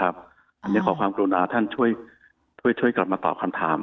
พระออกรุณาช่วยกลับมาตอบคำถาม